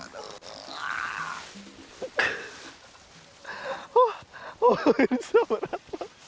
wah pemirsa berat pak